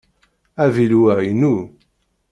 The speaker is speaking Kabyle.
Avilu-a inu.